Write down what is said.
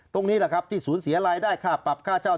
ตรงนี้แหละครับที่สูญเสียรายได้ค่าปรับค่าเช่า